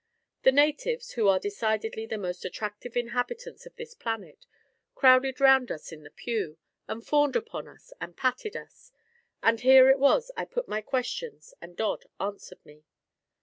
The natives, who are decidedly the most attractive inhabitants of this planet, crowded round us in the pew, and fawned upon and patted us; and here it was I put my questions, and Dodd answered me.